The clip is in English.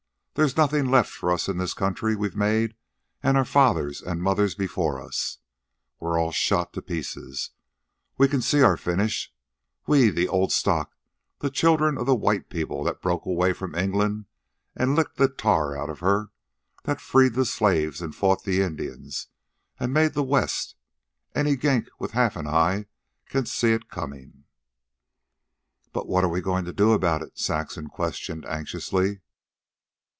There's nothin' left for us in this country we've made and our fathers an' mothers before us. We're all shot to pieces. We can see our finish we, the old stock, the children of the white people that broke away from England an' licked the tar outa her, that freed the slaves, an' fought the Indians, 'an made the West! Any gink with half an eye can see it comin'." "But what are we going to do about it?" Saxon questioned anxiously.